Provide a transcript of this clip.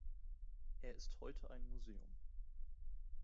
Er ist heute ein Museum.